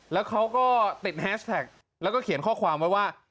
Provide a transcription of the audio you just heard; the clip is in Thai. แล้วเขาก็ติดแฮชแท็กแล้วก็เขียนข้อความไว้ว่า